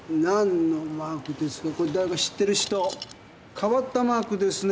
変わったマークですね。